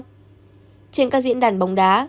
trên các diễn đàn bóng đá